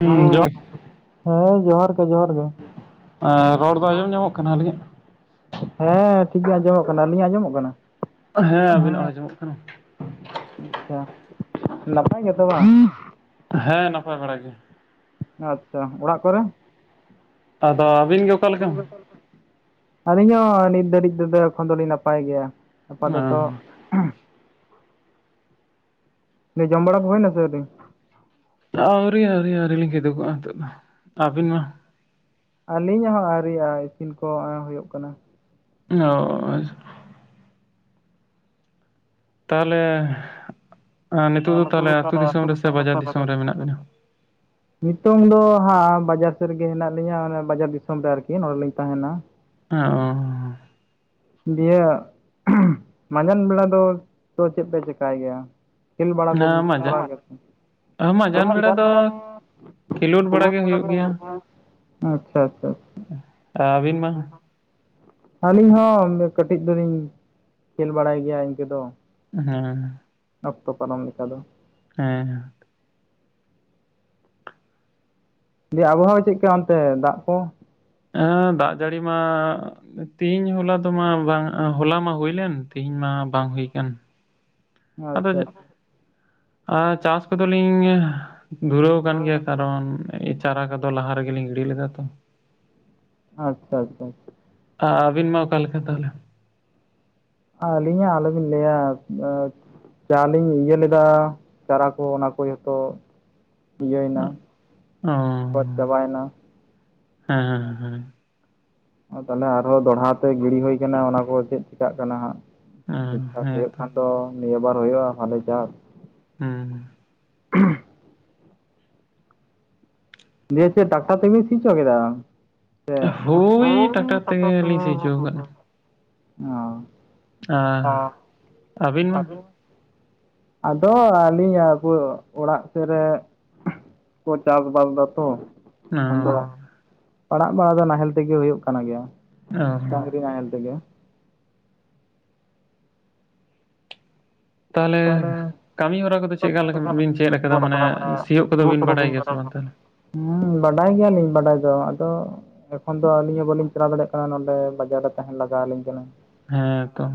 ᱦᱩᱸ ᱡᱚᱦᱟᱨ ᱦᱮᱸ ᱡᱚᱦᱟᱨ ᱜᱮ ᱡᱚᱦᱟᱨ ᱜᱮ᱾ ᱟᱸ ᱨᱚᱲ ᱫᱚ ᱟᱸᱡᱚᱢ ᱧᱟᱢᱚᱜ ᱠᱟᱱᱟ ᱟᱹᱞᱤᱧᱟᱜ᱾ ᱦᱮᱸ ᱴᱷᱤᱠ ᱜᱮ ᱟᱸᱡᱚᱢᱚᱜ ᱠᱟᱱᱟ ᱟᱞᱤᱧᱟᱜ ᱟᱸᱡᱚᱢᱚᱜ ᱠᱟᱱᱟ? ᱦᱮᱸ ᱟᱵᱤᱱᱟᱜ ᱦᱚ ᱟᱡᱚᱢᱚᱜ ᱠᱟᱱᱟ᱾ ᱟᱪᱪᱷᱟ ᱱᱟᱯᱟᱭ ᱜᱮᱛᱚ ᱵᱟᱝ? ᱦᱮᱸ ᱱᱟᱯᱟᱭ ᱵᱟᱲᱟ ᱜᱮ ᱾ ᱟᱪᱪᱷᱟ ᱚᱲᱟᱜ ᱠᱚᱨᱮ? ᱟᱫᱚ ᱟᱹᱵᱤᱱ ᱜᱮ ᱚᱠᱟᱞᱮᱠᱟ? [inaudible] ᱟᱹᱞᱤᱧ ᱦᱚᱸ ᱱᱤᱛ ᱫᱷᱟᱹᱨᱤᱡ ᱛᱮᱫᱚ ᱮᱠᱷᱚᱱ ᱫᱚᱞᱤᱧ ᱱᱟᱯᱟᱭ ᱜᱮᱭᱟ ᱾ ᱟᱯᱟ ᱚ ᱫᱚᱛᱚ, [unintelligible] ᱡᱚᱢ ᱵᱟᱲᱟ ᱠᱚ ᱦᱩᱭ ᱱᱟᱥᱮ ᱟᱹᱣᱨᱤ? ᱟᱹᱣᱨᱤ ᱟᱹᱣᱨᱤ ᱟᱹᱣᱨᱤ ᱞᱤᱧ ᱠᱤᱫᱩᱜ ᱠᱚᱜᱼᱟ ᱱᱤᱛᱚᱜ ᱫᱚ, ᱟᱹᱵᱤᱱ ᱢᱟ? ᱟᱹᱞᱤᱧ ᱦᱚᱸ ᱟᱹᱣᱨᱤ-ᱟ, ᱤᱥᱤᱱ ᱠᱚ ᱦᱩᱭᱩᱜ ᱠᱟᱱᱟ᱾ [inaudible] ᱛᱟᱦᱚᱞᱮ [unintelligible] ᱱᱤᱛᱚᱜ ᱫᱚ ᱛᱟᱦᱚᱞᱮ ᱟᱹᱛᱩ ᱫᱤᱥᱚᱢ ᱨᱮ ᱥᱮ ᱵᱟᱡᱟᱨ ᱫᱤᱥᱚᱢ ᱨᱮ ᱢᱮᱱᱟᱜ ᱵᱤᱱᱟ? ᱱᱤᱛᱩᱝ ᱫᱚ ᱦᱟᱸᱜ ᱵᱟᱡᱟᱨ ᱥᱮᱫ ᱨᱮᱜᱮ ᱦᱮᱱᱟᱜ ᱞᱤᱧᱟᱹ, ᱚᱱᱟ ᱵᱟᱡᱟᱨ ᱫᱤᱥᱚᱢ ᱨᱮ ᱟᱨᱠᱤ ᱱᱚᱸᱰᱲᱮᱞᱤᱧ ᱛᱟᱦᱮᱱᱟ᱾ [unintelligible] ᱫᱤᱭᱮ [unintelligible] ᱢᱟᱸᱡᱟᱱ ᱵᱮᱲᱟ ᱫᱚ ᱛᱚ ᱪᱮᱫ ᱯᱮ ᱪᱮᱠᱟᱭ ᱜᱮᱭᱟ? ᱠᱮᱞ ᱵᱟᱲᱟ ᱦᱮᱸ ᱠᱚ ᱢᱟᱡᱟᱜ [unintelligible] ᱢᱟᱡᱟᱱ ᱵᱮᱲᱟ ᱫᱚ ᱠᱷᱮᱞᱳᱰ ᱵᱟᱲᱟ ᱜᱮ ᱦᱩᱭᱩᱜ [unintelligible] ᱟᱪᱪᱷᱟ ᱟᱪᱪᱷᱟ ᱟᱵᱤᱱ [unintelligible] ᱟᱹᱞᱤᱧ ᱦᱚᱸ ᱠᱟᱹᱴᱤᱡ ᱫᱚᱞᱤᱧ ᱠᱷᱮᱞ ᱵᱟᱲᱟᱭ ᱜᱮᱭᱟ ᱤᱱᱠᱟᱹ ᱫᱚ ᱾ ᱦᱮᱸ ᱚᱠᱛᱚ ᱯᱟᱨᱚᱢ ᱞᱮᱠᱟ ᱫᱚ ᱦᱮᱸ ᱫᱤᱭᱮ ᱟᱵᱚᱦᱟᱣᱟ ᱪᱮᱫᱠᱟ ᱚᱱᱛᱮ ᱫᱟᱜ ᱠᱚ? ᱦᱮᱸ ᱫᱟᱜ ᱡᱟᱹᱲᱤ ᱢᱟ, ᱛᱮᱦᱮᱧ ᱦᱚᱞᱟ ᱫᱚᱢᱟ ᱵᱟᱝ, ᱦᱚᱞᱟ ᱢᱟ ᱦᱩᱭᱞᱮᱱ, ᱛᱦᱮᱧ ᱢᱟ ᱵᱟᱝ ᱦᱩᱭ ᱠᱟᱱ᱾ ᱟᱫᱚ, ᱟᱪᱪᱷᱟ ᱟᱨ ᱪᱟᱥ ᱠᱚᱫᱚᱞᱤᱧ, ᱫᱷᱩᱨᱟᱹᱣ ᱠᱟᱱ ᱜᱮᱭᱟ, ᱠᱟᱨᱚᱱ ᱪᱟᱨᱟ ᱠᱚᱫᱚ ᱞᱟᱦᱟ ᱨᱮᱜᱮ ᱞᱤᱧ ᱜᱤᱲᱤ ᱞᱮᱫᱟ ᱛᱚ ᱾ ᱟᱪᱪᱷᱟ ᱟᱪᱪᱷᱟ ᱟᱪᱪᱷᱟ ᱾ ᱟᱵᱤᱱ ᱢᱟ ᱚᱠᱟᱞᱮᱠᱟ ᱛᱟᱦᱚᱞᱮ? ᱟᱹᱞᱤᱧᱟ-ᱜ ᱟᱞᱚ ᱵᱤᱱ ᱞᱟᱹᱭᱟ [unintelligible] ᱪᱟ ᱞᱤᱧ ᱤᱭᱟᱹ ᱞᱮᱫᱟ, ᱪᱟᱨᱟ ᱠᱚ ᱚᱱᱟ ᱠᱚ ᱡᱚᱛᱚ ᱤᱭᱟᱹᱭᱱᱟ ᱚ ᱜᱚᱡ ᱪᱟᱵᱟᱭᱱᱟ ᱾ ᱦᱮᱸ [unintelligible] ᱚ ᱛᱟᱦᱚᱞᱮ ᱟᱨᱦᱚᱸ ᱫᱚᱦᱚᱲᱟ ᱛᱮ ᱜᱤᱲᱤ ᱦᱩᱭ ᱠᱟᱱᱟ ᱾ ᱚᱱᱟ ᱠᱚ ᱪᱮᱫ ᱪᱤᱠᱟᱹᱜ ᱠᱟᱱᱟ ᱦᱟᱸᱜ? ᱦᱮᱸ ᱴᱷᱤᱠᱴᱷᱟᱠ ᱦᱩᱭᱩᱜ ᱦᱮᱸᱛᱚ ᱠᱷᱟᱱ ᱫᱚ ᱱᱤᱭᱟᱹ ᱵᱟᱨ ᱦᱩᱭᱩᱜ-ᱟ ᱦᱟᱞᱮ ᱪᱟᱥ ᱦᱩᱸ ᱫᱤᱭᱮ ᱪᱮᱫ ᱴᱟᱠᱴᱟᱨ ᱛᱮᱵᱤᱱ ᱥᱤᱪᱚ ᱠᱮᱫᱟ? ᱥᱮ ᱦᱳᱭ ᱴᱟᱠᱴᱟᱨ ᱛᱮᱜᱮ ᱞᱤᱧ ᱥᱤ ᱦᱚᱪᱚ ᱠᱟᱫ ᱚ ᱟ ᱟᱹᱵᱤᱱ ᱢᱟ ᱟᱫᱚ ᱟᱹᱞᱤᱧᱟᱜ ᱚᱲᱟᱜ ᱥᱮᱫ ᱨᱮ ᱠᱚ ᱪᱟᱥᱵᱟᱥ‌ ᱫᱟᱛᱚ ᱚ ᱮᱠᱷᱚᱱ ᱫᱚ ᱯᱟᱲᱟᱜ ᱵᱟᱲᱟ ᱫᱚ ᱱᱟᱦᱮᱞ ᱛᱮᱜᱮ ᱦᱩᱭᱩᱜ ᱠᱟᱱᱟ ᱜᱮᱭᱟ ᱚ ᱰᱟᱝᱨᱤ ᱱᱟᱦᱮᱞ ᱛᱮᱜᱮ ᱛᱟᱦᱚᱞᱮ ᱠᱟᱹᱢᱤ ᱦᱚᱨᱟ ᱠᱚᱫᱚ ᱪᱮᱫᱠᱟ ᱞᱮᱠᱟ ᱵᱤᱱ ᱪᱮᱫ ᱟᱠᱟᱫᱟ ᱢᱟᱱᱮ ᱥᱤᱭᱳᱜ ᱠᱚᱫᱚ ᱵᱤᱱ ᱵᱟᱰᱟᱭ ᱜᱮᱭᱟ ᱥᱮ ᱵᱟᱝ ᱛᱟᱦᱚᱞᱮ? [inaudible] ᱦᱩᱸ ᱵᱟᱰᱟᱭ ᱜᱮᱭᱟᱞᱤᱧ ᱵᱟᱰᱟᱭ ᱫᱚ ᱟᱫᱚ ᱮᱠᱷᱚᱱ ᱫᱚ ᱟᱹᱞᱤᱧ ᱦᱚᱸ ᱵᱟᱹᱞᱤᱧ ᱪᱟᱞᱟᱣ ᱫᱟᱲᱮᱭᱟᱜ ᱠᱟᱱᱟ ᱛᱨᱟ ᱱᱚᱰᱮ ᱵᱟᱡᱟᱨ ᱨᱮ ᱛᱟᱦᱮᱱ ᱞᱟᱜᱟᱣᱟᱞᱤᱧ ᱠᱟᱱᱟ ᱦᱮᱸ ᱛᱚ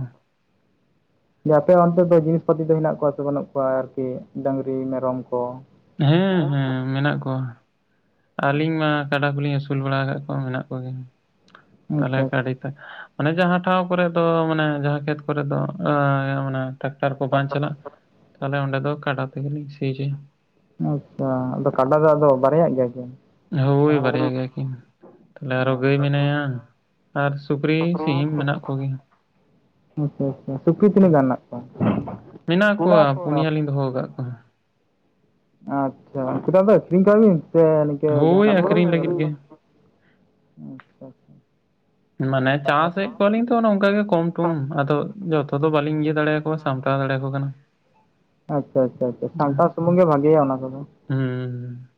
ᱟᱯᱮ ᱚᱱᱛᱮ ᱫᱚ ᱡᱤᱱᱤᱥ ᱯᱟᱛᱤ ᱫᱚ ᱦᱮᱱᱟᱜ ᱠᱚᱣᱟ ᱥᱮ ᱵᱟᱹᱱᱩᱜ ᱠᱚᱣᱟ ᱟᱨᱠᱤ ᱰᱟᱹᱝᱨᱤ ᱢᱮᱨᱚᱢ ᱠᱚ? ᱦᱮᱸ ᱦᱮᱸ ᱢᱮᱱᱟᱜ ᱠᱚᱣᱟ ᱟᱹᱞᱤᱧ ᱢᱟ ᱠᱟᱰᱟ ᱠᱚᱞᱤᱧ ᱟᱹᱥᱩᱞ ᱵᱟᱲᱟ ᱟᱠᱟᱫ ᱠᱚᱣᱟ ᱢᱮᱱᱟᱜ ᱠᱚᱜᱮᱭᱟ ᱛᱟᱦᱚᱞᱮ ᱟᱪᱪᱷᱟ ᱠᱟᱹᱰᱤ ᱛᱚ ᱢᱟᱱᱮ ᱡᱟᱦᱟᱸ ᱴᱷᱟᱶ ᱠᱚᱨᱮ ᱫᱚ ᱢᱟᱱᱮ ᱡᱟᱦᱟᱸ ᱠᱷᱮᱛ ᱠᱚᱨᱮ ᱫᱚ ᱴᱨᱟᱠᱴᱟᱨ ᱠᱚ ᱵᱟᱝ ᱪᱟᱞᱟᱜ ᱦ ᱛᱟᱦᱚᱞᱮ ᱚᱸᱰᱮ ᱫᱚ ᱠᱟᱰᱟ ᱛᱮᱜᱮᱞᱤᱧ ᱥᱤᱪᱚᱭᱟ ᱟᱪᱪᱷᱟ ᱟᱫᱚ ᱠᱟᱰᱟ ᱫᱚ ᱟᱫᱚ ᱵᱟᱨᱭᱟᱜ ᱜᱮᱭᱟ ᱠᱤᱱ? ᱦᱳᱭ ᱵᱟᱨᱭᱟ ᱜᱮᱭᱟ ᱠᱤᱱ ᱛᱟᱦᱚᱞᱮ ᱚ ᱟᱨᱚ ᱜᱟᱹᱭ ᱢᱮᱱᱟᱭᱟ ᱟᱨ ᱥᱩᱠᱨᱤ ᱥᱤᱢ ᱢᱮᱱᱟᱜ ᱠᱚᱜᱮᱭᱟ ᱟᱪᱪᱷᱟ ᱟᱪᱪᱷᱟ ᱥᱩᱠᱨᱤ ᱛᱤᱱᱟᱹᱜ ᱜᱟᱱ ᱦᱮᱱᱟᱜ ᱠᱚᱣᱟ? ᱢᱮᱱᱟᱜ ᱠᱚᱣᱟ ᱯᱩᱱᱭᱟ ᱞᱤᱧ ᱫᱚᱦᱚ ᱟᱠᱟᱫ ᱠᱚᱣᱟ ᱟᱪᱪᱷᱟ ᱩᱱᱠᱩ ᱫᱚ ᱟᱫᱚ ᱟᱠᱷᱨᱤᱧ ᱠᱚᱣᱟ ᱵᱤᱱ ᱥᱮ ᱥᱮ ᱦᱳᱭ ᱡᱟᱦᱟᱱᱟᱜ ᱟᱠᱷᱨᱤᱧ ᱞᱟᱹᱜᱤᱫ ᱜᱮ᱾ [unintelligible] ᱢᱟᱱᱮ ᱪᱟᱥᱮᱫ ᱠᱚᱣᱟᱞᱤᱧ ᱛᱚ ᱚᱱᱮ ᱚᱱᱠᱟᱜᱮ ᱠᱚᱢᱴᱚᱢ ᱟᱫᱚ ᱡᱚᱛᱚ ᱫᱚ ᱵᱟᱞᱤᱧ ᱤᱭᱟᱹ ᱫᱟᱲᱮᱭᱟᱠᱚᱣᱟ ᱥᱟᱢᱴᱟᱣ ᱫᱟᱲᱮ ᱟᱠᱚ ᱠᱟᱱᱟ ᱟᱪᱪᱷᱟ ᱟᱪᱪᱷᱟ ᱟᱪᱪᱷᱟ ᱥᱟᱢᱴᱟᱣ ᱥᱩᱢᱩᱝ ᱜᱮ ᱵᱷᱟᱹᱜᱮᱭᱟ ᱚᱱᱟ ᱠᱚᱫᱚ ᱦᱩᱸ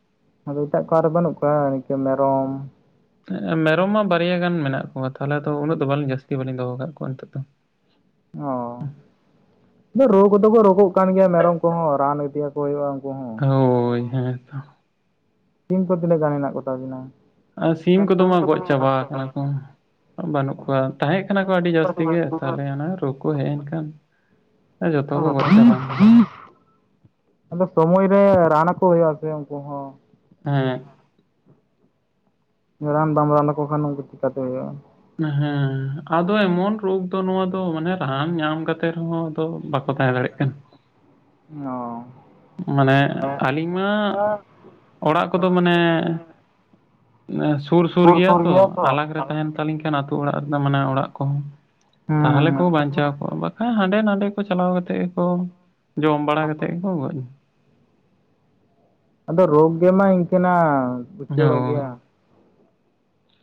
ᱟᱫᱚ ᱮᱴᱟᱜ ᱠᱚ ᱟᱨ ᱵᱟᱹᱱᱩᱜ ᱠᱚᱣᱟ ᱤᱱᱠᱟᱹ ᱢᱮᱨᱚᱢ ᱢᱮᱨᱚᱢ ᱢᱟ ᱵᱟᱨᱭᱟ ᱜᱟᱱ ᱢᱮᱱᱟᱜ ᱠᱚᱣᱟ ᱛᱟᱦᱚᱞᱮ ᱫᱚ ᱩᱱᱟᱹᱜ ᱫᱚ ᱵᱟᱹᱞᱤᱧ ᱡᱟᱹᱥᱛᱤ ᱵᱟᱹᱞᱤᱧ ᱫᱚᱦᱚ ᱠᱟᱜ ᱠᱚᱣᱟ ᱱᱤᱛᱚᱜ ᱫᱚ ᱚ ᱨᱳᱜᱽ ᱫᱚᱠᱚ ᱨᱳᱜᱚᱜ ᱠᱟᱱ ᱜᱮᱭᱟ ᱢᱮᱨᱚᱢ ᱠᱚᱦᱚᱸ ᱨᱟᱱ ᱤᱫᱤᱭᱟ ᱠᱚ ᱦᱩᱭᱩᱜ-ᱟ ᱩᱱᱠᱩ ᱦᱚᱸ ᱦᱳᱭ ᱦᱮᱸ ᱥᱤᱢ ᱠᱚ ᱛᱤᱱᱟᱹᱜ ᱜᱟᱱ ᱦᱮᱱᱟᱜ ᱠᱚᱛᱟ ᱵᱤᱱᱟ? ᱟᱨ ᱥᱤᱢ ᱠᱚᱫᱚ ᱢᱟ ᱜᱚᱡ ᱪᱟᱵᱟ ᱟᱠᱟᱱᱟ ᱠᱚ ᱵᱟᱹᱱᱩᱜ ᱠᱚᱣᱟ ᱛᱟᱦᱮᱸ ᱠᱟᱱᱟ ᱠᱚ ᱟᱹᱰᱤ ᱡᱟᱹᱥᱛᱤ ᱜᱮ ᱛᱟᱦᱞᱮ ᱚᱱᱟ ᱨᱳᱜᱽ ᱠᱚ ᱦᱮᱡ ᱮᱱ ᱠᱷᱟᱱ ᱡᱚᱛᱚ ᱠᱚ ᱜᱚᱡ ᱪᱟᱵᱟᱭᱮᱱᱟ ᱟᱫᱚ ᱥᱚᱢᱚᱭ ᱨᱮ ᱨᱟᱱ ᱟᱠᱚ ᱦᱩᱭᱩᱜ-ᱟ ᱥᱮ ᱩᱱᱠᱩ ᱦᱚᱸ ᱦᱮᱸ ᱨᱟᱱ ᱵᱟᱢ ᱨᱟᱱ ᱟᱠᱚ ᱠᱷᱟᱱ ᱩᱱᱠᱩ ᱪᱤᱠᱟᱹᱛᱮ ᱦᱩᱭᱩᱜ-ᱟ ᱦᱮᱸ ᱟᱫᱚ ᱮᱢᱚᱱ ᱨᱳᱜᱽ ᱫᱚ ᱱᱚᱣᱟ ᱫᱚ ᱢᱟᱱᱮ ᱨᱟᱱ ᱧᱟᱢ ᱠᱟᱛᱮ ᱨᱮᱦᱚᱸ ᱛᱚ ᱵᱟᱠᱚ ᱛᱟᱦᱮᱸ ᱫᱟᱲᱮᱭᱟᱜ ᱠᱟᱱᱟ ᱚ ᱢᱟᱱᱮ ᱟᱹᱞᱤᱧ ᱢᱟ ᱚᱲᱟᱜ ᱠᱚᱫᱚ ᱢᱟᱱᱮ ᱱᱮᱜ-ᱮ ᱥᱩᱨ ᱥᱩᱨ ᱜᱮᱭᱟ ᱛᱚ ᱟᱞᱟᱜᱽ ᱨᱮ ᱛᱟᱦᱮᱱ ᱛᱟᱞᱤᱧ ᱠᱷᱟᱱ ᱟᱛᱳ ᱚᱲᱟᱜ ᱨᱮᱱᱟᱜ ᱢᱟᱱᱮ ᱚᱲᱟᱜ ᱠᱚᱦᱚᱸ ᱦᱮᱸ ᱛᱟᱦᱚᱞᱮ ᱠᱚ ᱦᱮᱸ᱾ ᱵᱟᱧᱪᱟᱣ ᱠᱚᱜᱼᱟ ᱵᱟ ᱦᱮᱸ ᱦᱟᱸᱰᱮ ᱱᱟᱰᱮ ᱠᱚ ᱪᱟᱞᱟᱣ ᱠᱟᱛᱮ ᱜᱮᱠᱚ ᱡᱚᱢ ᱵᱟᱲᱟ ᱠᱟᱛᱮ ᱜᱮᱠᱚ ᱜᱚᱡ ᱟᱫᱚ ᱨᱳᱜᱽ ᱜᱮ ᱢᱟ ᱤᱱᱠᱟᱹᱱᱟ ᱮᱱᱟ᱾ ᱩᱪᱟᱹᱲᱚᱜ ᱦᱳᱭ ᱜᱮᱭᱟ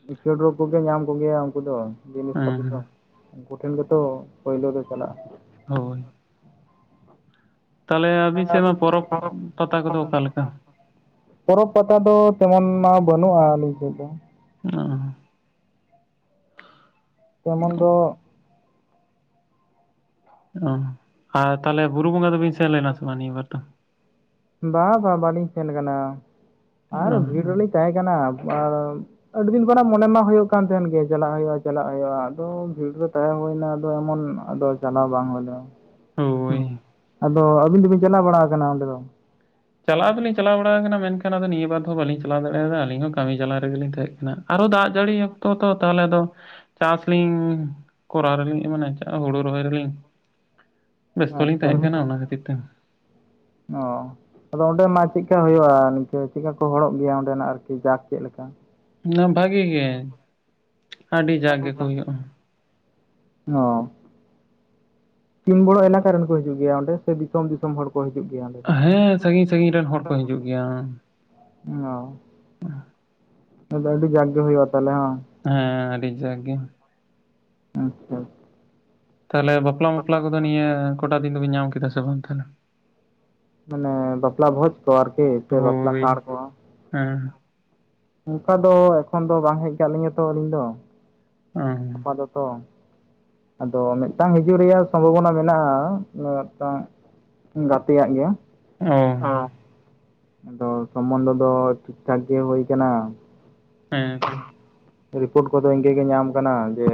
ᱤᱱᱠᱟᱹ ᱨᱳᱜᱽ ᱠᱚᱜᱮ ᱧᱟᱢ ᱠᱚᱜᱮᱭᱟ ᱩᱱᱠᱩ ᱫᱚ ᱡᱤᱱᱤᱥ ᱯᱟᱛᱤ ᱫᱚ ᱦᱮᱸ ᱩᱱᱠᱩ ᱴᱷᱮᱱ ᱜᱮᱛᱚ ᱯᱳᱭᱞᱳ ᱫᱚ ᱪᱟᱞᱟᱜᱼᱟ ᱦᱳᱭ ᱛᱟᱦᱚᱞᱮ ᱟᱹᱵᱤᱱ ᱥᱮᱫ ᱢᱟ ᱯᱚᱨᱚᱵᱽ ᱟ ᱯᱟᱛᱟ ᱠᱚᱫᱚ ᱚᱠᱟᱞᱮᱠᱟ [inaudible] ᱯᱚᱨᱚᱵᱽ ᱯᱟᱛᱟ ᱫᱚ ᱛᱮᱢᱚᱱ ᱢᱟ ᱵᱟᱹᱱᱩᱜᱼᱟ ᱱᱤᱛᱳᱜ ᱫᱚ ᱚ ᱛᱮᱢᱚᱱ ᱫᱚ ᱚ ᱟᱨ ᱛᱟᱦᱞᱮ ᱵᱩᱨᱩ ᱵᱚᱸᱜᱟ ᱫᱚᱵᱤᱱ ᱥᱮᱱ ᱞᱮᱱᱟ ᱥᱮ ᱵᱟᱝ ᱱᱤᱭᱟᱹ ᱵᱟᱨ ᱫᱚ ᱵᱟᱝ ᱵᱟᱝ ᱵᱟᱞᱤᱧ ᱥᱮᱱ ᱠᱟᱱᱟ ᱟᱨ ᱵᱷᱤᱲ ᱨᱮᱞᱤᱧ ᱛᱟᱦᱮᱸ ᱠᱟᱱᱟ ᱟᱨ ᱟᱹᱰᱤ ᱫᱤᱱ ᱠᱷᱚᱱᱟᱜ ᱢᱚᱱᱮ ᱢᱟ ᱦᱩᱭᱩᱜ ᱠᱟᱱ ᱛᱟᱦᱮᱸᱱ ᱜᱮ ᱪᱟᱞᱟᱜ ᱦᱩᱭᱩᱜᱼᱟ ᱪᱟᱞᱟᱜ ᱦᱩᱭᱩᱜᱼᱟ ᱟᱫᱚ ᱵᱷᱤᱲ ᱨᱮ ᱛᱟᱦᱮᱸ ᱦᱩᱭᱱᱟ ᱟᱫᱚ ᱮᱢᱚᱱ ᱟᱫᱚ ᱪᱟᱞᱟᱣ ᱵᱟᱝ ᱦᱩᱭ ᱞᱮᱱ ᱚ ᱦᱳᱭ ᱟᱫᱚ ᱟᱹᱵᱤᱱ ᱫᱚᱵᱤᱱ ᱪᱟᱞᱟᱣ ᱵᱟᱲᱟ ᱠᱟᱱᱟ ᱚᱸᱰᱮ ᱫᱚ ᱪᱟᱞᱟᱣ ᱫᱚᱞᱤᱧ ᱪᱟᱞᱟᱣ ᱵᱟᱲᱟ ᱠᱟᱱᱟ ᱢᱮᱱᱠᱷᱟᱱ ᱟᱫᱚ ᱱᱤᱭᱟᱹ ᱵᱟᱨ ᱫᱚ ᱵᱟᱞᱤᱧ ᱪᱟᱞᱟᱣ ᱫᱟᱲᱮᱭᱟᱫᱟ ᱟᱹᱞᱤᱧ ᱦᱚᱸ ᱠᱟᱹᱢᱤ ᱡᱟᱞᱟ ᱨᱮᱜᱮᱞᱤᱧ ᱛᱟᱦᱮᱸ ᱠᱟᱱᱟ ᱟᱨᱚ ᱫᱟᱜ ᱡᱟᱹᱲᱤ ᱚᱠᱛᱚ ᱛᱚ ᱛᱟᱦᱚᱞᱮ ᱫᱚ ᱪᱟᱥ ᱞᱤᱧ ᱠᱚᱨᱟᱣ ᱨᱮᱞᱤᱧ ᱢᱟᱱᱮ ᱠᱮᱫ ᱦᱩᱲᱩ ᱨᱚᱦᱚᱭ ᱨᱮᱞᱤᱧ ᱚ ᱵᱮᱥᱛᱚ ᱞᱤᱧ ᱟᱪᱪᱷᱟ ᱛᱟᱦᱮᱸ ᱠᱟᱱᱟ ᱚᱱᱟ ᱠᱷᱟᱹᱛᱤᱨ ᱛᱮ ᱚ ᱟᱫᱚ ᱚᱸᱰᱮ ᱢᱟ ᱪᱮᱫ ᱠᱟ ᱦᱩᱭᱩᱜᱼᱟ ᱱᱤᱝᱠᱟᱹ ᱪᱮᱫᱠᱟ ᱠᱚ ᱦᱚᱲᱚᱜ ᱜᱮᱭᱟ ᱚᱸᱰᱮᱱᱟᱜ ᱟᱨᱠᱤ ᱡᱟᱠ ᱪᱮᱫ ᱞᱮᱠᱟ [unintelligible] ᱵᱷᱟᱜᱤ ᱜᱮ ᱟᱹᱰᱤ ᱡᱟᱠ ᱜᱮᱠᱚ ᱦᱩᱭᱩᱜᱼᱟ ᱚ ᱛᱤᱱ ᱵᱚᱲᱚ ᱮᱞᱟᱠᱟ ᱨᱮᱱ ᱠᱚ ᱦᱤᱡᱩᱜ ᱜᱮᱭᱟ ᱚᱸᱰᱮ ᱥᱮ ᱫᱤᱥᱚᱢ ᱫᱤᱥᱚᱢ ᱦᱚᱲ ᱠᱚ ᱠᱚ ᱦᱤᱡᱩᱜ ᱜᱮᱭᱟ ᱫᱚ? ᱦᱮᱸ ᱥᱟᱺᱜᱤᱧ ᱥᱟᱺᱜᱤᱧ ᱨᱮᱱ ᱦᱚᱲ ᱠᱚ ᱦᱤᱡᱩᱜ ᱜᱮᱭᱟ ᱚ [unintelligible] ᱛᱟᱦᱚᱞᱮ ᱟᱰᱤ ᱡᱟᱠ ᱜᱮ ᱦᱩᱭᱩᱜᱼᱟ ᱛᱟᱦᱚᱞᱮ [unintelligible] ᱦᱮᱸ ᱟᱹᱰᱤ ᱡᱟᱠ ᱜᱮ ᱟᱪᱪᱷᱟ ᱛᱟᱦᱞᱮ ᱵᱟᱯᱞᱟ ᱢᱟᱯᱞᱟ ᱠᱚᱫᱚ ᱱᱤᱭᱟᱹ ᱠᱚᱴᱟ ᱫᱤᱱ ᱫᱚᱵᱤᱱ ᱧᱟᱢ ᱠᱮᱫᱟ ᱥᱮ ᱵᱟᱝ ᱛᱟᱦᱞᱮ ᱢᱟᱱᱮ ᱵᱟᱯᱞᱟ ᱵᱷᱚᱡᱽ ᱠᱚ ᱟᱨᱠᱤ ᱥᱮ ᱵᱟᱯᱞᱟ ᱦᱳᱭ ᱠᱟᱬ ᱠᱚ ᱦᱮᱸ ᱚᱱᱠᱟ ᱫᱚ ᱮᱠᱷᱚᱱ ᱫᱚ ᱵᱟᱝ ᱦᱮᱡ ᱠᱟᱜ ᱞᱤᱧᱟᱹ ᱛᱚ ᱟᱹᱞᱤᱧ ᱫᱚ ᱚ ᱟᱫᱚ ᱛᱚ ᱟᱫᱚ ᱢᱤᱫᱴᱟᱝ ᱦᱤᱡᱩᱜ ᱨᱮᱭᱟᱜ ᱥᱚᱢᱵᱷᱚᱵᱚᱱᱟ ᱢᱮᱱᱟᱜᱼᱟ ᱢᱤᱫᱴᱟᱝ ᱜᱟᱛᱮᱭᱟᱜ ᱜᱮᱭᱟ ᱮᱸ ᱟ ᱫᱚ ᱥᱚᱢᱢᱚᱱᱫᱷᱚ ᱫᱚ ᱴᱷᱤᱠ ᱴᱷᱟᱠ ᱜᱮ ᱦᱩᱭ ᱠᱟᱱᱟ ᱦᱮᱸ ᱛᱚ ᱨᱤᱯᱳᱨᱴ ᱠᱚᱫᱚ ᱤᱱᱠᱟᱹ ᱜᱮ ᱧᱟᱢ ᱠᱟᱱᱟ ᱡᱮ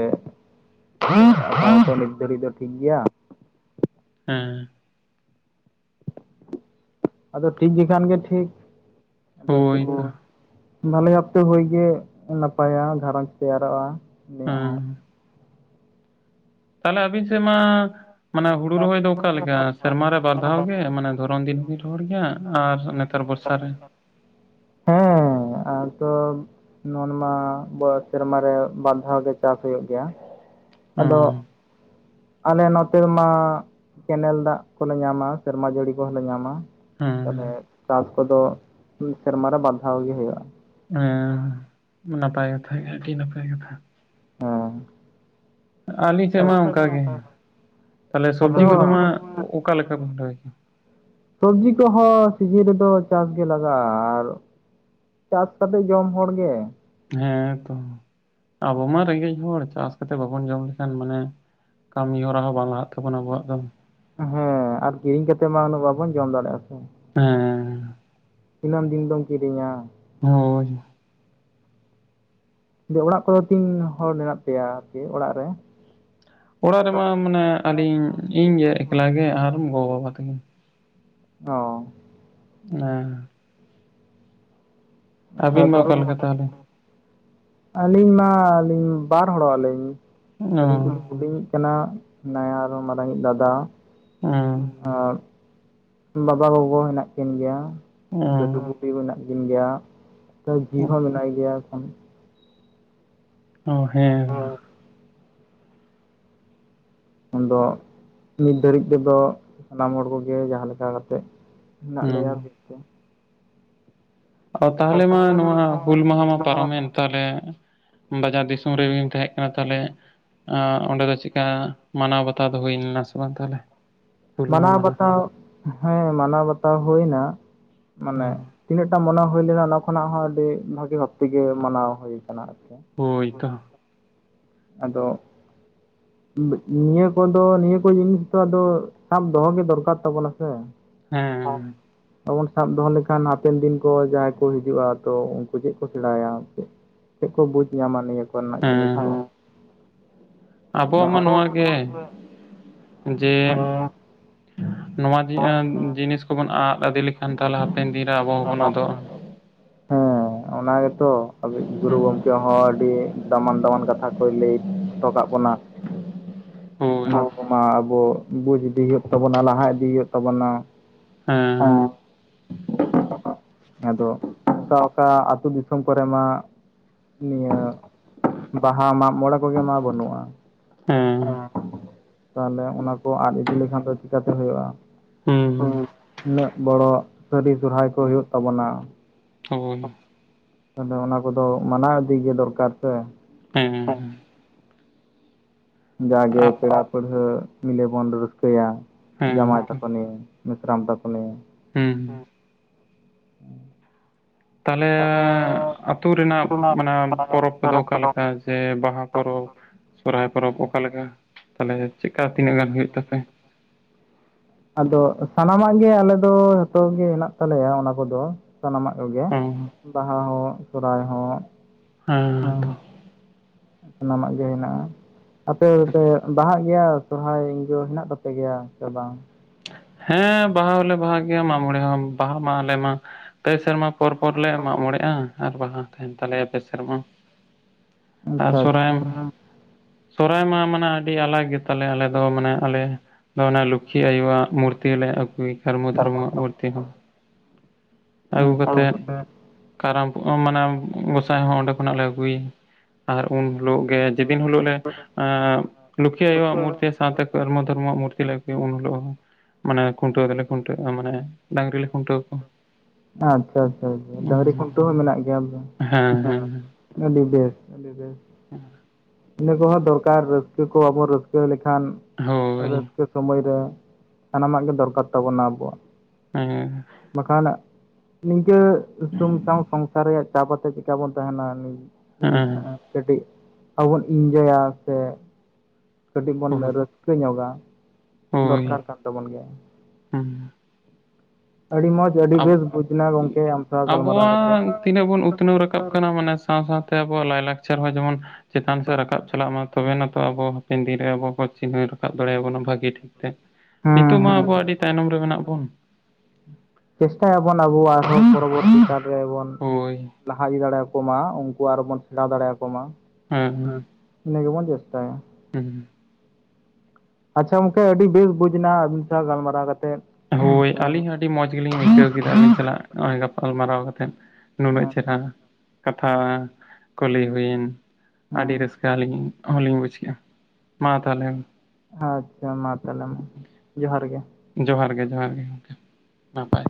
[unintelligible] ᱫᱷᱟᱨᱤ ᱫᱚ ᱴᱷᱤᱠ ᱜᱮᱭᱟ ᱦᱮᱸ ᱟᱫᱚ ᱴᱷᱤᱠ ᱜᱮ ᱠᱷᱟᱱ ᱜᱮ ᱴᱷᱤᱠ ᱟᱫᱚ ᱪ ᱦᱳᱭ ᱛᱚ ᱵᱷᱟᱞᱮ ᱚᱯᱛᱮ ᱦᱩᱭ ᱜᱮ ᱱᱟᱯᱟᱭᱟ ᱜᱷᱟᱨᱚᱧᱡᱽ ᱛᱮᱭᱟᱨᱚᱜᱼᱟ ᱩᱱᱤᱭᱟᱜ ᱦᱚᱸ ᱮᱸ ᱛᱟᱦᱞᱮ ᱟᱵᱤᱱ ᱥᱮᱫ ᱢᱟ ᱢᱟᱱᱮ ᱦᱩᱲᱩ ᱨᱚᱦᱚᱭ ᱫᱚ ᱚᱠᱟᱞᱮᱠᱟ ᱥᱮᱨᱢᱟ ᱨᱮ ᱵᱟᱨ ᱫᱷᱟᱣ ᱜᱮ ᱢᱟᱱᱮ ᱫᱷᱚᱨᱚᱱ ᱫᱤᱱ ᱦᱩᱭᱧ ᱨᱚᱦᱚᱲ ᱜᱮᱭᱟ ᱟᱨ ᱱᱮᱛᱟᱨ ᱵᱚᱨᱥᱟ ᱨᱮ ᱦᱮᱸ ᱦᱮᱸ ᱟᱨ ᱛᱚ ᱱᱚᱣᱟᱱᱢᱟ ᱵᱟ ᱥᱮᱨᱢᱟᱨᱮ ᱵᱟᱨ ᱫᱷᱟᱣ ᱜᱮ ᱪᱟᱥ ᱦᱩᱭᱩᱜ ᱜᱮᱭᱟ ᱟᱫᱚ ᱦᱚᱸ ᱟᱞᱮ ᱱᱚᱛᱮ ᱢᱟ ᱠᱮᱱᱮᱞ ᱫᱟᱜ ᱠᱚᱞᱮ ᱧᱟᱢᱟ ᱥᱮᱨᱢᱟ ᱡᱟᱹᱲᱤ ᱠᱚᱦᱚᱸᱞᱮ ᱧᱟᱢᱟ ᱛᱟᱦᱚᱞᱮ ᱦᱮᱸ ᱪᱟᱥ ᱠᱚᱫᱚ ᱥᱮᱨᱢᱟ ᱨᱮ ᱵᱟᱨ ᱫᱷᱟᱣ ᱜᱮ ᱦᱩᱭᱩᱜᱼᱟ ᱦᱮᱸ ᱱᱟᱯᱟᱭ ᱠᱟᱛᱷᱟ ᱜᱮ ᱟᱹᱰᱤ ᱱᱟᱯᱟᱭ ᱠᱟᱛᱷᱟ ᱦᱚᱸ ᱟᱹᱞᱤᱧ ᱥᱮᱫ ᱢᱟ ᱚᱱᱠᱟᱜᱮ ᱛᱟᱦᱚᱞᱮ ᱚᱱᱛᱮ ᱥᱚᱵᱽᱡᱤ ᱠᱚᱫᱚ ᱢᱟ ᱦᱚᱸ ᱚᱠᱟ ᱞᱮᱠᱟ ᱵᱤᱱ ᱨᱚᱦᱚᱭ ᱥᱚᱵᱽᱡᱤ ᱠᱚᱦᱚᱸ ᱥᱤᱡᱤᱱ ᱨᱮᱫᱚ ᱪᱟᱥ ᱜᱮ ᱞᱟᱜᱟᱜᱼᱟ ᱟᱨ ᱪᱟᱥ ᱠᱟᱛᱮᱜ ᱡᱚᱢ ᱦᱚᱲ ᱜᱮ ᱦᱮᱸ ᱛᱚ ᱟᱵᱚ ᱢᱟ ᱨᱮᱸᱜᱮᱡ ᱦᱚᱲ ᱪᱟᱥ ᱠᱟᱛᱮᱜ ᱵᱟᱵᱚᱱ ᱡᱚᱢ ᱞᱮᱠᱷᱟᱱ ᱢᱟᱱᱮ ᱠᱟᱹᱢᱤ ᱦᱚᱨᱟ ᱦᱚᱸ ᱵᱟᱝ ᱞᱟᱦᱟᱜ ᱛᱟᱵᱚᱱᱟ ᱟᱵᱚᱣᱟᱜ ᱫᱚ ᱦᱮᱸ ᱟᱨ ᱠᱤᱨᱤᱧ ᱠᱟᱛᱮᱜ ᱢᱟ ᱩᱱᱟᱹᱜ ᱵᱟᱵᱚᱱ ᱡᱚᱢ ᱫᱟᱲᱮᱭᱟᱜᱼᱟ ᱥᱮ ᱦᱮᱸ ᱛᱤᱱᱟᱹᱢ ᱫᱤᱱ ᱫᱚᱢ ᱠᱤᱨᱤᱧᱟ ᱦᱚᱭ ᱢᱮᱱᱫᱤᱧ ᱚᱲᱟᱜ ᱠᱚᱨᱮ ᱫᱚ ᱛᱤᱱ ᱦᱚᱲ ᱢᱮᱱᱟᱜ ᱯᱮᱭᱟ ᱟᱨᱠᱤ ᱚᱲᱟᱜ ᱨᱮ ᱚᱲᱟᱜ ᱨᱮᱢᱟ ᱢᱟᱱᱮ ᱟᱹᱞᱤᱧ ᱤᱧ ᱜᱮ ᱮᱠᱞᱟ ᱜᱮ ᱟᱨ ᱜᱚ ᱵᱟᱵᱟ ᱛᱟᱠᱤᱱ ᱚ ᱦᱮᱸ ᱟᱹᱵᱤᱱ ᱢᱟ ᱚᱠᱟ ᱞᱮᱠᱟ ᱛᱟᱦᱚᱞᱮ? [unintelligible] ᱟᱹᱞᱤᱧ ᱢᱟ ᱟᱹᱞᱤᱧ ᱵᱟᱨ ᱦᱚᱲᱚᱜᱞᱤᱧ ᱟᱹᱞᱤᱧ ᱚ ᱦᱩᱰᱤᱧ ᱤᱡ ᱠᱟᱱᱟ ᱱᱟᱭᱟ [unintelligible] ᱢᱟᱨᱟᱝ ᱤᱡ ᱫᱟᱫᱟ ᱩᱻ ᱟᱨ ᱵᱟᱵᱟ ᱜᱚᱜᱚ ᱦᱮᱱᱟᱜ ᱠᱤᱱ ᱜᱮᱭᱟ ᱫᱟᱹᱰᱩ ᱵᱩᱰᱤ ᱢᱮᱱᱟᱜ ᱠᱤᱱ ᱜᱮᱭᱟ ᱡᱤ ᱚ ᱦᱚᱸ ᱢᱮᱱᱟᱭ ᱜᱮᱭᱟ ᱮᱠᱷᱚᱱ ᱚ ᱦᱮᱸ ᱩᱱᱫᱚ ᱱᱤᱛ ᱫᱷᱟᱹᱨᱤᱡ ᱛᱮᱫᱚ ᱥᱟᱱᱟᱢ ᱦᱚᱲ ᱠᱚᱜᱮ ᱡᱟᱦᱟᱸ ᱞᱮᱠᱟ ᱠᱟᱛᱮᱜ ᱢᱮᱱᱟᱜ ᱦᱩᱸ ᱞᱮᱭᱟ ᱜᱮ ᱚ ᱛᱟᱦᱚᱞᱮ ᱢᱟ ᱱᱚᱣᱟ ᱦᱩᱞ ᱢᱟᱦᱟ ᱢᱟ ᱯᱟᱨᱚᱢᱮᱱ ᱛᱟᱦᱚᱞᱮ ᱵᱟᱡᱟᱨ ᱫᱤᱥᱚᱢ ᱨᱮᱜᱤᱱ ᱛᱟᱦᱮᱸ ᱠᱟᱱᱟ ᱛᱟᱦᱚᱞᱮ ᱚᱸᱰᱮ ᱫᱚ ᱪᱮᱠᱟ ᱢᱟᱱᱟᱣ ᱵᱟᱛᱟᱣ ᱫᱚ ᱦᱩᱭ ᱞᱮᱱᱟ ᱥᱮ ᱵᱟᱝ ᱛᱟᱦᱚᱞᱮ ᱦᱩᱞ ᱢᱟᱦᱟ ᱢᱟᱱᱟᱣ ᱵᱟᱛᱟᱣ ᱦᱮᱸ ᱢᱟᱱᱟᱣ ᱵᱟᱛᱟᱣ ᱦᱩᱭ ᱮᱱᱟ ᱢᱟᱱᱮ ᱛᱤᱱᱟᱹᱜ ᱴᱟ ᱢᱚᱱᱮ ᱦᱩᱭ ᱞᱮᱱᱟ ᱚᱱᱟ ᱠᱷᱚᱱᱟᱜ ᱦᱚᱸ ᱟᱹᱰᱤ ᱵᱷᱟᱜᱤ ᱵᱷᱟᱵ ᱛᱮᱜᱮ ᱢᱟᱱᱟᱣ ᱦᱩᱭ ᱟᱠᱟᱱᱟ ᱟᱨᱠᱤ ᱦᱳᱭ ᱫᱚ ᱟᱫᱚ ᱱᱤᱭᱟᱹ ᱠᱚᱫᱚ ᱱᱤᱭᱟᱹ ᱠᱚ ᱡᱤᱱᱤᱥ ᱫᱚ ᱟᱫᱚ ᱥᱟᱵ ᱫᱚᱦᱚᱜ ᱜᱮ ᱫᱚᱨᱠᱟᱨ ᱛᱟᱵᱚᱱᱟ ᱥᱮ ᱦᱮᱸ ᱵᱟᱵᱚᱱ ᱥᱟᱵ ᱫᱚᱦᱚ ᱞᱮᱠᱷᱟᱱ ᱦᱟᱯᱮᱱ ᱫᱤᱱ ᱠᱚ ᱡᱟᱦᱟᱸᱭ ᱠᱚ ᱦᱤᱡᱩᱜᱼᱟ ᱛᱚ ᱪᱮᱫ ᱠᱚ ᱥᱮᱬᱟᱭᱟ ᱪᱮᱫ ᱪᱮᱫ ᱠᱚ ᱵᱩᱡᱽ ᱧᱟᱢᱟ ᱱᱤᱭᱟᱹ ᱠᱚᱨᱮᱱᱟᱜ ᱡᱤᱱᱤᱥ ᱦᱚᱸ ᱦᱮᱸ ᱟᱵᱚᱣᱟᱜ ᱢᱟ ᱱᱚᱣᱟ ᱦᱚᱸ ᱜᱮ ᱠᱚ ᱡᱮ ᱱᱚᱣᱟ ᱡᱤᱱᱤᱥ ᱠᱚᱵᱚᱱ ᱟᱫ ᱤᱫᱤ ᱞᱮᱠᱷᱟᱱ ᱛᱟᱦᱚᱞᱮ ᱦᱟᱯᱮᱱ ᱫᱤᱱ ᱨᱮ ᱟᱵᱚ ᱦᱚᱸᱵᱚᱱ ᱟᱫᱚᱜᱼᱟ ᱦᱚᱸ ᱚᱱᱟ ᱜᱮᱛᱚ ᱟᱵᱚ ᱤᱡ ᱜᱩᱨᱩ ᱜᱚᱢᱠᱮ ᱦᱚᱸ ᱟᱹᱰᱤ ᱫᱟᱢᱟᱱ ᱫᱟᱢᱟᱱ ᱠᱟᱛᱷᱟ ᱠᱚᱭ ᱞᱟᱹᱭ ᱦᱚᱴᱚ ᱠᱟᱜ ᱵᱚᱱᱟ ᱦᱳᱭ [unintelligible] ᱟᱵᱚ ᱵᱩᱡᱽ ᱤᱫᱤ ᱦᱩᱭᱩᱜ ᱛᱟᱵᱚᱱᱟ ᱞᱟᱦᱟ ᱤᱫᱤ ᱦᱩᱭᱩᱜ ᱛᱟᱵᱚᱱᱟ ᱦᱮᱸ ᱟᱫᱚ ᱚᱠᱟ ᱚᱠᱟ ᱟᱹᱛᱩ ᱫᱤᱥᱚᱢ ᱠᱚᱨᱮ ᱢᱟ ᱱᱤᱭᱟᱹ ᱵᱟᱦᱟ ᱢᱟᱜ ᱢᱚᱬᱮ ᱠᱚᱜᱮ ᱢᱟ ᱵᱟᱹᱱᱩᱜᱼᱟ ᱦᱮᱸ ᱛᱟᱦᱚᱞᱮ ᱚᱱᱟ ᱠᱚ ᱟᱫ ᱤᱫᱤ ᱞᱮᱠᱷᱟᱱ ᱫᱚ ᱪᱤᱠᱟᱛᱮ ᱦᱩᱭᱩᱜᱼᱟ ᱦᱩ ᱦᱩᱸ, ᱩᱱᱟᱹᱜ ᱵᱚᱲᱚ ᱥᱟᱹᱨᱤ ᱥᱚᱦᱚᱨᱟᱭ ᱠᱚ ᱦᱩᱭᱩᱜ ᱛᱟᱵᱚᱱᱟ ᱦᱳ [unintelligible] ᱟᱫᱚ ᱚᱱᱟ ᱠᱚᱫᱚ ᱢᱟᱱᱟᱣ ᱤᱫᱤ ᱜᱮ ᱫᱚᱨᱠᱟᱨ ᱥᱮ ᱦᱮᱸ ᱦᱮᱸ ᱡᱟᱜᱮ ᱟᱜ ᱯᱮᱲᱟ ᱯᱟᱹᱲᱦᱟᱹ ᱢᱤᱞᱮ ᱵᱚᱱ ᱨᱟᱹᱥᱠᱟᱹᱭ-ᱟ ᱦᱮᱸ ᱡᱟᱢᱟᱭ ᱛᱚ, ᱛᱟᱠᱚ ᱱᱤᱭᱮ ᱢᱤᱥᱨᱟᱢ ᱛᱟᱠᱚ ᱱᱤᱭᱮ ᱦᱩᱸ᱾ ᱛᱟᱦᱚᱞᱮ ᱟᱛᱳ ᱨᱮᱱᱟᱜ ᱢᱟᱱᱮ ᱯᱚᱨᱚᱵᱽ ᱟᱫᱚ ᱚᱠᱟᱞᱮᱠᱟ ᱡᱮ ᱵᱟᱦᱟ ᱯᱚᱨᱚᱵᱽ ᱥᱚᱦᱚᱨᱟᱭ ᱯᱚᱨᱚᱵᱽ ᱚᱠᱟᱞᱮᱠᱟ ᱛᱟᱦᱚᱞᱮ ᱪᱮᱫᱠᱟ ᱛᱤᱱᱟᱹᱜ ᱜᱟᱱ ᱦᱩᱭᱩᱜ ᱛᱟᱯᱮ ᱦ [unintelligible] ᱟᱫᱚ ᱥᱟᱱᱟᱢ ᱟᱜ ᱜᱮ ᱟᱞᱮ ᱫᱚ ᱡᱚᱛᱚ ᱜᱮ ᱦᱮᱱᱟᱜ ᱛᱟᱞᱮᱭᱟ ᱚᱱᱟ ᱠᱚᱫᱚ ᱥᱟᱱᱟᱢ ᱟᱜ ᱠᱚᱜᱮ ᱚ ᱵᱟᱦᱟ ᱦᱚᱸ ᱥᱚᱦᱚᱨᱟᱭ ᱦᱚᱸ ᱦᱮᱸ ᱛᱚ ᱥᱟᱱᱟᱢᱟᱜ ᱜᱮ ᱦᱮᱱᱟᱜᱼᱟ ᱟᱯᱮ ᱯᱮ ᱵᱟᱦᱟᱜ ᱜᱮᱭᱟ ᱥᱚᱦᱚᱨᱟᱭ ᱡᱚ ᱦᱮᱱᱟᱜ ᱛᱟᱯᱮ ᱜᱮᱭᱟ ᱥᱮ ᱵᱟᱝ ᱦᱮᱸ ᱵᱟᱦᱟ ᱦᱚᱸᱞᱮ ᱵᱟᱦᱟ ᱜᱮᱭᱟ ᱢᱟᱜ ᱢᱚᱸᱬᱮ ᱦᱚᱸ ᱵᱟᱦᱟ ᱢᱟ ᱟᱞᱮ ᱢᱟ ᱯᱮ ᱥᱮᱨᱢᱟ ᱯᱚᱨ ᱯᱚᱨ ᱞᱮ ᱢᱟᱜ ᱢᱚᱸᱬᱮᱼᱟ ᱟᱨ ᱵᱟᱦᱟ ᱛᱟᱦᱮᱱ ᱛᱟᱞᱮᱭᱟ ᱯᱮ ᱥᱮᱨᱢᱟ ᱟᱨ ᱟᱪᱪᱷᱟ ᱥᱚᱦᱚᱨᱟᱭ ᱟᱪᱪᱷᱟ ᱥᱚᱨᱦᱟᱭ ᱢᱟ ᱢᱟᱱᱮ ᱟᱹᱰᱤ ᱟᱞᱟᱜᱽ ᱜᱮᱛᱟᱞᱮ ᱟᱞᱮ ᱫᱚ ᱢᱟᱱᱮ ᱟᱞᱮ ᱫᱚ ᱚᱱᱮ ᱞᱚᱠᱠᱷᱤ ᱟᱭᱳ ᱟᱜ ᱢᱩᱨᱛᱤ ᱛᱡ ᱞᱮ ᱟᱹᱜᱩᱭ ᱠᱟᱨᱢᱩ ᱫᱷᱚᱨᱢᱩᱚᱣᱟᱜ ᱢᱩᱨᱛᱤ ᱟᱹᱜᱩ ᱟᱪᱪᱷᱟ ᱠᱟᱛᱮᱫ ᱠᱟᱨᱟᱢ ᱢᱟᱱᱮ ᱜᱚᱸᱥᱟᱭ ᱦᱚᱸ ᱚᱸᱰᱮ ᱠᱷᱚᱱᱟᱜ ᱞᱮ ᱟᱹᱜᱩᱭᱟ ᱟᱨ ᱩᱱ ᱦᱤᱞᱳᱜ ᱜᱮ ᱡᱮᱫᱤᱱ ᱦᱤᱞᱳᱜ ᱞᱮ ᱞᱩᱠᱷᱤ ᱟᱭᱳ ᱟᱜ ᱢᱩᱨᱛᱤ ᱥᱟᱶᱛᱮ ᱠᱚᱨᱢᱩ ᱫᱷᱚᱨᱚᱢᱚ ᱢᱩᱨᱛᱤ ᱞᱮ ᱟᱹᱜᱩᱭ-ᱟ ᱩᱱ ᱦᱤᱞᱳ ᱦᱚᱸ ᱢᱟᱱᱮ ᱠᱷᱩᱱᱴᱟᱹᱣ ᱫᱚᱞᱮ ᱠᱷᱩᱱᱴᱟᱹᱜᱼᱟ ᱢᱟᱱᱮ ᱰᱟᱝᱨᱤ ᱞᱮ ᱠᱷᱩᱱᱴᱟᱹᱣ ᱠᱚᱣᱟ ᱟᱪᱪᱷᱟ ᱟᱪᱪᱷᱟ ᱰᱟᱹᱝᱨᱤ ᱠᱷᱩᱱᱴᱟᱹ ᱦᱚᱸ ᱢᱮᱱᱟᱜ ᱜᱮᱭᱟ ᱦᱮᱸ ᱟᱹᱰᱤ ᱵᱮᱥ ᱟᱹᱰᱤ ᱵᱮᱥ ᱤᱱᱟᱹ ᱠᱚᱦᱚ ᱫᱚᱨᱠᱟᱨ ᱨᱟᱹᱥᱠᱟᱹ ᱠᱚ ᱵᱚᱱ ᱨᱟᱹᱥᱠᱟᱹ ᱞᱮᱠᱷᱟᱱ ᱦᱳᱭ ᱨᱟᱹᱥᱠᱟᱹ ᱥᱚᱢᱚᱭ ᱨᱮ ᱥᱟᱱᱟᱢᱟᱜ ᱜᱮ ᱫᱚᱨᱠᱟᱨ ᱛᱟᱵᱚᱱᱟ ᱟᱵᱚᱣᱟᱜ ᱦᱮᱸ ᱵᱟᱠᱷᱟᱱ ᱱᱤᱝᱠᱟᱹ ᱥᱩᱝᱥᱟᱣ ᱥᱚᱝᱥᱟᱨ ᱨᱮᱭᱟᱜ ᱪᱟᱯ ᱟᱛᱮᱫ ᱪᱮᱠᱟ ᱵᱚᱱ ᱛᱟᱦᱮᱱᱟ ᱦᱮᱸ ᱠᱟᱹᱴᱤᱡ ᱟᱵᱚ ᱵᱚᱱ ᱤᱱᱡᱚᱭᱟ ᱥᱮ ᱠᱟᱹᱴᱤᱡ ᱵᱚᱱ ᱦᱳᱭ ᱨᱟᱹᱥᱠᱟᱹ ᱠᱟᱹᱡ ᱧᱚᱜᱼᱟ ᱦᱳᱭ ᱫᱚᱨᱠᱟᱨ ᱠᱟᱱ ᱛᱟᱵᱚᱱ ᱜᱮᱭᱟ ᱦᱩᱸ ᱟᱹᱰᱤ ᱢᱚᱡᱽ ᱟᱹᱰᱤ ᱟᱵ ᱵᱮᱥ ᱵᱩᱡᱽ ᱮᱱᱟ ᱜᱚᱝᱠᱮ ᱟᱢ ᱥᱟᱶ ᱜᱟᱞᱢᱟᱨᱟᱣ ᱠᱟᱛᱮ ᱟᱵᱚᱣᱟᱜ ᱛᱤᱱᱟᱹᱜ ᱵᱚᱱ ᱩᱛᱱᱟᱹᱣ ᱨᱟᱠᱟᱵ ᱠᱟᱱᱟ ᱢᱟᱱᱮ ᱥᱟᱶ ᱥᱟᱶᱛᱮ ᱟᱵᱚᱣᱟᱜ ᱞᱟᱭᱞᱟᱠᱪᱟᱨ ᱦᱚᱸ ᱡᱮᱢᱚᱱ ᱪᱮᱛᱟᱱ ᱥᱮᱫ ᱨᱟᱠᱟᱵ ᱪᱟᱞᱟᱜ ᱢᱟ ᱛᱚᱵᱮᱱᱟᱛᱚ ᱟᱵᱚ ᱦᱟᱯᱮᱱ ᱫᱤᱱ ᱨᱮ ᱟᱵᱚ ᱠᱚ ᱪᱤᱱᱦᱟᱹᱣ ᱨᱟᱠᱟᱵ ᱫᱟᱲᱮᱭᱟ ᱵᱚᱱᱟ ᱵᱷᱟᱹᱜᱤ ᱴᱷᱤᱠ ᱦᱮᱸ ᱱᱤᱛᱚᱜ ᱢᱟ ᱦᱮᱸ ᱟᱵᱚ ᱟᱹᱰᱤ ᱛᱟᱭᱱᱚᱢ ᱨᱮ ᱢᱮᱱᱟᱜ ᱵᱚᱱ ᱪᱮᱥᱴᱟᱭᱟᱵᱚᱱ ᱟᱵᱚ ᱟᱨᱦᱚᱸ ᱯᱚᱨᱚᱵᱚᱨᱛᱤ ᱠᱟᱞ ᱨᱮᱵᱚᱱ ᱦᱳᱭ ᱞᱟᱦᱟ ᱤᱫᱤ ᱫᱟᱲᱮ ᱟᱠᱚ ᱢᱟ ᱩᱱᱠᱩ ᱟᱨᱚ ᱵᱚᱱ ᱥᱮᱬᱟ ᱫᱟᱲᱮ ᱟᱠᱚᱢᱟ ᱦᱮᱸ ᱤᱱᱟ. ᱜᱮᱵᱚᱱ ᱪᱮᱥᱴᱟᱭᱟ ᱦᱮᱸ ᱟᱪᱪᱷᱟ ᱜᱚᱢᱠᱮ ᱟᱹᱰᱤ ᱵᱮᱥ ᱵᱩᱡᱽ ᱮᱱᱟ ᱟᱹᱵᱤᱱ ᱥᱟᱶ ᱜᱟᱞᱢᱟᱨᱟᱣ ᱠᱟᱛᱮᱫ ᱦᱳᱭ ᱟᱹᱞᱤᱧ ᱦᱚᱸ ᱟᱹᱰᱤ ᱢᱚᱡᱽ ᱜᱮᱞᱤᱧ ᱟᱹᱭᱠᱟᱹᱣ ᱠᱮᱫᱟ ᱟᱹᱵᱤᱱ ᱥᱟᱞᱟᱜ ᱱᱚᱜᱼᱚᱭ ᱜᱟᱯᱟᱞᱢᱟᱨᱟᱣ ᱠᱟᱛᱮᱫ ᱱᱩᱱᱟᱹᱜ ᱪᱮᱦᱮᱨᱟᱱ ᱠᱟᱛᱷᱟ ᱠᱚ ᱞᱟᱹᱭ ᱦᱩᱭ ᱮᱱ ᱟᱹᱰᱤ ᱦᱮᱸ ᱨᱟᱹᱥᱠᱟᱹ ᱟᱹᱞᱤᱧ ᱚᱞᱤᱧ ᱵᱩᱡ ᱠᱮᱫᱼᱟ ᱢᱟ ᱛᱟᱦᱚᱞᱮ ᱟᱪᱪᱷᱟ ᱢᱟ ᱛᱟᱦᱚᱞᱮ ᱢᱟ ᱡᱚᱦᱟᱨ ᱜᱮ ᱡᱚᱦᱟᱨ ᱜᱮ ᱡᱚᱦᱟᱨ ᱜᱮ ᱜᱚᱝᱠᱮ ᱱᱟᱯᱟᱭ